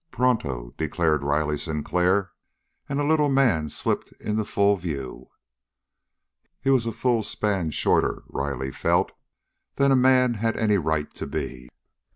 "Pronto!" declared Riley Sinclair, and a little man slipped into full view. He was a full span shorter, Riley felt, than a man had any right to be.